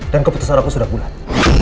dan keputusan aku sudah bulat